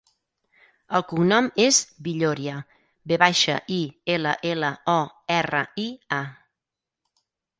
El cognom és Villoria: ve baixa, i, ela, ela, o, erra, i, a.